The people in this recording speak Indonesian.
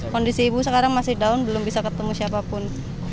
kondisi ibu sekarang masih down belum bisa ketemu siapapun